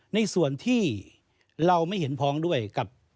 ในส่วนที่เราไม่เห็นพ้องด้วยกับ